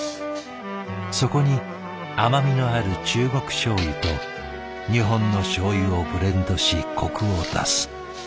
そこに甘みのある中国しょう油と日本のしょう油をブレンドしコクを出す。